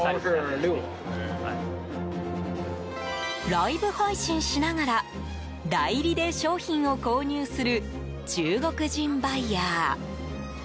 ライブ配信しながら代理で商品を購入する中国人バイヤー。